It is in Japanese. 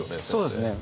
そうですね。